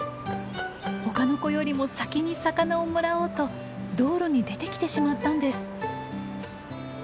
他の子よりも先に魚をもらおうと道路に出てきてしまったんです。